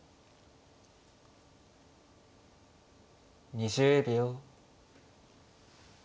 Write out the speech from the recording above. ２０秒。